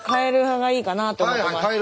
はい。